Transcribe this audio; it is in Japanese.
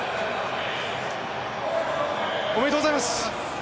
おめでとうございます。